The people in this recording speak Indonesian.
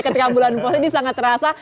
ketika bulan puasa ini sangat terasa